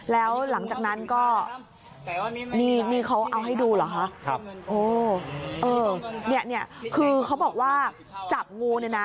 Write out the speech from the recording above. แล้วหลังจากนั้นก็นี่นี่เขาเอาให้ดูเหรอคะครับโอ้เออเนี่ยคือเขาบอกว่าจับงูเนี่ยนะ